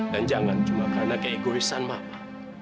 dan jangan cuma karena keegoisan mama